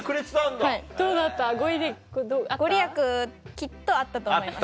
きっとあったと思います。